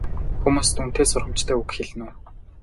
Хүмүүст үнэтэй сургамжтай үг хэлнэ үү?